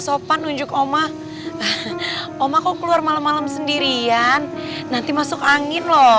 sopan nunjuk oma oma kau keluar malam malam sendirian nanti masuk angin loh